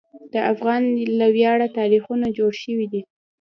د افغان له ویاړه تاریخونه جوړ شوي دي.